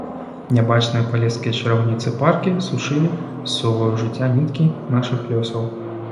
Нябачныя палескія чараўніцы-паркі сучылі з сувою жыцця ніткі нашых лёсаў.